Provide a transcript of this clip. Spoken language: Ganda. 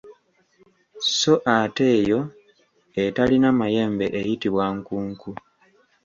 Sso ate eyo etalina mayembe eyitibwa nkunku.